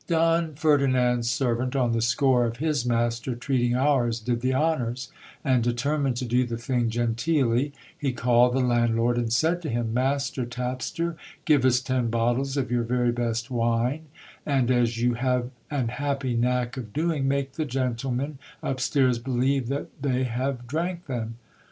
Don Ferdinand's servant, on the score of his master treating ours, did the honours ; and, dptermined to do the thing genteelly, he called the land lord, and said to him ^Master tapster, give us ten bottles of your very best wine ; and, as you have an happy knack pf doing, make the gentlemen up stairs believe that they have drank them.